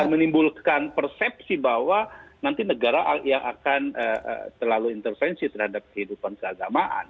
menimbulkan persepsi bahwa nanti negara yang akan terlalu intervensi terhadap kehidupan keagamaan